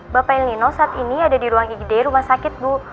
bapak el nino saat ini ada di ruang igd rumah sakit bu